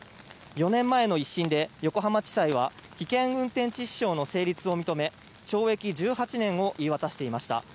４年前の１審で横浜地裁は危険運転致死傷の成立を認め懲役１８年を言い渡していました。